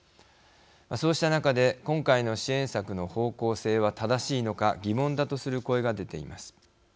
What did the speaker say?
そうした中で今回の支援策の方向性は正しいのか疑問だとする声が出ています。